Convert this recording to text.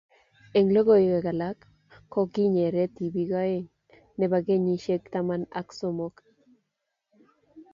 Eng logoiwek alak kokinyere tibik oeng, nebo kenyisiek taman ak somok ak